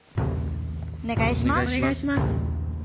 お願いします。